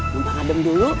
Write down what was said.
numpang adem dulu